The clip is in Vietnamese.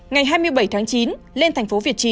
ngày hai mươi bảy tháng chín lên thành phố việt trì